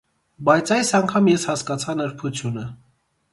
Բայց այս անգամ ես հասկացա նրբությունը։